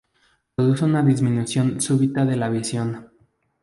Produce una disminución súbita de la visión.